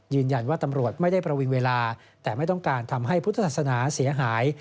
ตำรวจไม่ได้ประวิงเวลาแต่ไม่ต้องการทำให้พุทธศาสนาเสียหาย